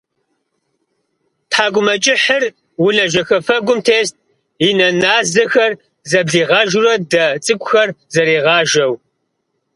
ТхьэкӀумэкӀыхьыр унэ жэхэфэгум тест, и нэ назэхэр зэблигъэжурэ дэ цӀыкӀухэр зэригъажэу.